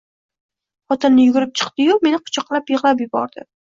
Xotini yugurib chiqdiyu meni quchoqlab yigʼlab yubordi.